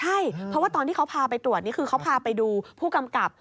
ใช่เพราะว่าตอนที่เขาพาไปตรวจนี่คือเขาพาไปดูผู้กำกับ